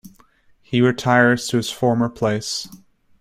He retires to his former place.